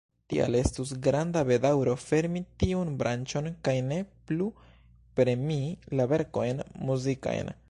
Tial estus granda bedaŭro fermi tiun branĉon kaj ne plu premii la verkojn muzikajn.